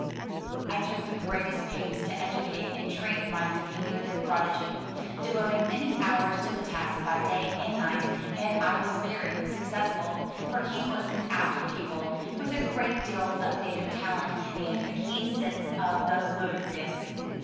*' I took the greatest pains to educate and train my diminutive prodigy, devoting many hours to the task by day and night, and 1 was very successful, for he was an apt pupil, with a great deal of native talent, and a keen sense of the ludicrous.